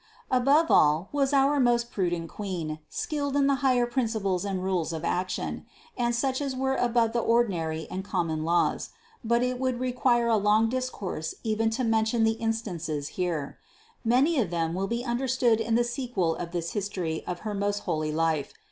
Above all was our most prudent Queen skilled in the higher principles and rules of action, and such as were above the ordinary and common laws ; but it would re quire a long discourse even to mention the instances here : many of them will be understood in the sequel of this history of her most holy life.